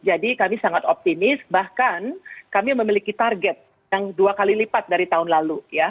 jadi kami sangat optimis bahkan kami memiliki target yang dua kali lipat dari tahun lalu